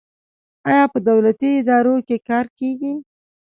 آیا په دولتي ادارو کې کار کیږي؟